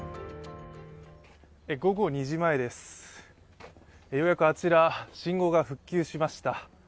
午後２時前です、ようやくあちら信号が復旧しました。